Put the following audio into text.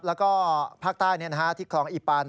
แล้วก็ภาคใต้ที่คลองอีปัน